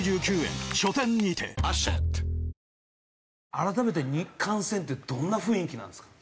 改めて日韓戦ってどんな雰囲気なんですか？